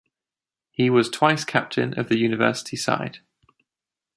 He was twice captain of the University side.